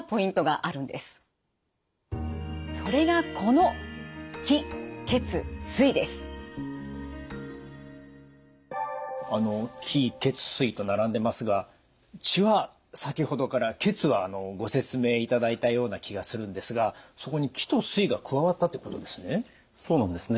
あの気・血・水と並んでますが血は先ほどから血はご説明いただいたような気がするんですがそこに気と水が加わったってことですね？